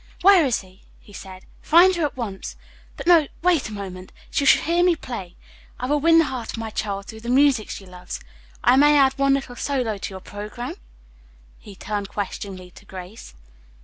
"Where is she?" he said. "Find her at once. But, no, wait a moment. She shall hear me play! I will win the heart of my child through the music she loves, I may add one little solo to your programme?" he turned questioningly to Grace.